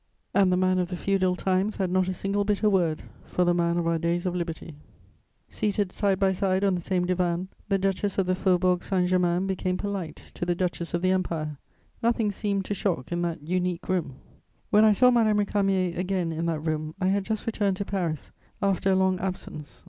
And the man of the feudal times had not a single bitter word for the man of our days of liberty. [Sidenote: Society at the Abbaye.] "Seated side by side on the same divan, the duchess of the Faubourg Saint Germain became polite to the duchess of the Empire; nothing seemed to shock in that unique room. When I saw Madame Récamier again in that room, I had just returned to Paris, after a long absence.